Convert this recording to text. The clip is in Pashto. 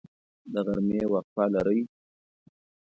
د غرمې وقفه لرئ؟